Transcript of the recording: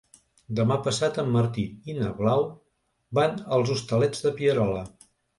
Demà passat en Martí i na Blau van als Hostalets de Pierola.